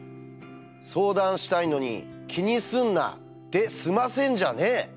「相談したいのに『気にすんな』で済ませんじゃねえ！